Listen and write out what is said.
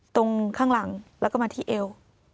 ตรงข้างหลังแล้วก็มาที่เอว